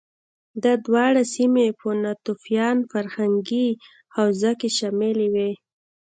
دا دواړه سیمې په ناتوفیان فرهنګي حوزه کې شاملې وې